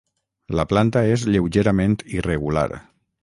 La planta és lleugerament irregular.